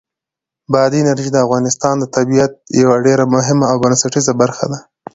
بادي انرژي د افغانستان د طبیعت یوه ډېره مهمه او بنسټیزه برخه ده.